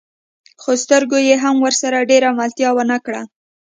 خو سترګو يې هم ورسره ډېره ملتيا ونه کړه.